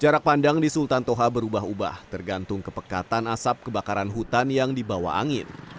jarak pandang di sultan toha berubah ubah tergantung kepekatan asap kebakaran hutan yang dibawa angin